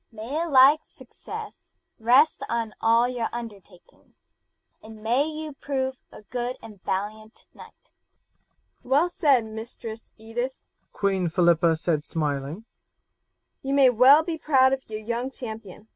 May a like success rest on all your undertakings, and may you prove a good and valiant knight!" "Well said, Mistress Edith," Queen Philippa said smiling. "You may well be proud of your young champion.